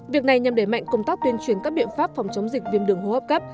việc này nhằm đẩy mạnh công tác tuyên truyền các biện pháp phòng chống dịch viêm đường hô hấp cấp